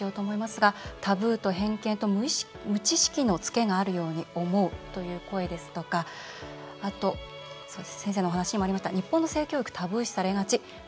タブーと偏見と無知識のツケがあるように思うという声でしたりとかあと、先生のお話にもあった日本の性教育タブー視されがち。